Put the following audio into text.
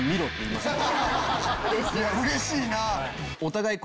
うれしい。